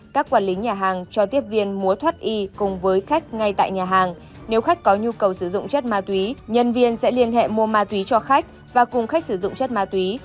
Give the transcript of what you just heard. các quản lý nhà hàng cho tiếp viên mua thoát y cùng với khách ngay tại nhà hàng nếu khách có nhu cầu sử dụng chất ma túy nhân viên sẽ liên hệ mua ma túy cho khách và cùng khách sử dụng chất ma túy